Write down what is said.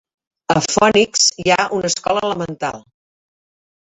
A Phoenix hi ha una escola elemental.